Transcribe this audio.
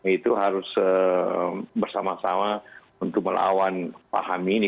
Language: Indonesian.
itu harus bersama sama untuk melawan paham ini